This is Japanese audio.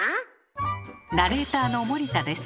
ナレーターの森田です。